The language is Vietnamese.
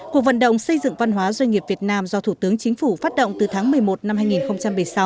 cuộc vận động xây dựng văn hóa doanh nghiệp việt nam do thủ tướng chính phủ phát động từ tháng một mươi một năm